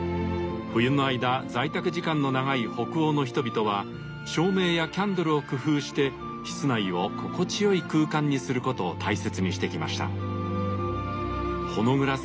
冬の間在宅時間の長い北欧の人々は照明やキャンドルを工夫して室内を心地よい空間にすることを大切にしてきました。